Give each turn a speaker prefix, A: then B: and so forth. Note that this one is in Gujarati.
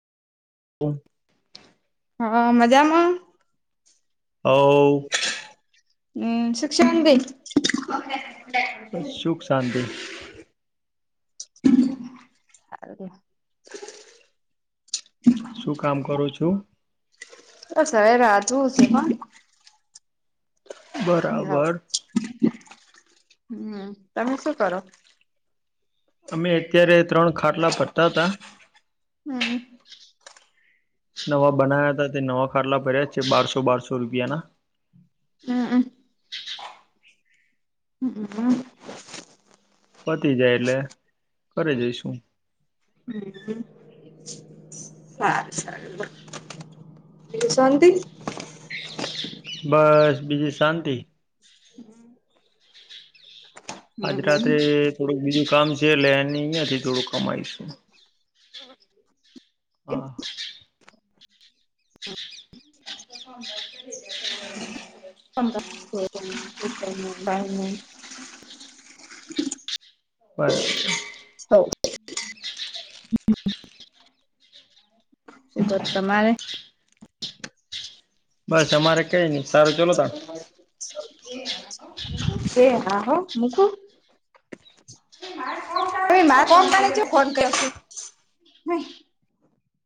A: હમ્મ.
B: હા, મજામાં?
A: હઓ.
B: હમ્મ શિક્ષંગ બે.
A: સુખ શાંતિ
B: હારું તે.
A: શું કામ કરું છું
B: એ શેર રાતુ સે કાઉ. હ ઓ
A: બરાબર
B: હમ્મ તમે શું કરો?
A: અમે અત્યારે ત્રણ ખાટલા ફરતા તા.
B: હમ્મ.
A: નવા બનાયા હતા તે નવા ખાટલા પર્યા છે બારસો બારસો રૂપિયાના.
B: હ અહ. હમ્મ હમ્મ.
A: પતી જાય એટલે ફરે જઈશું.
B: હમ્મ. સારું સારું રે બીજું શાંતિ?
A: બસ બીજી શાંતિ.
B: હમ્મ.
A: આજ રાત્રે થોડું બીજું કામ છે એટલે એ અહિયાંથી થોડું [unintelligible] હા [unintelligible]
B: [unintelligible]
A: પર
B: હોવ તો તમારે
A: બસ અમારે કઈ નહી સારું ચલો દા
B: એ હા હો મુકું હી મારા કોમપની છે ફોન કરશે હ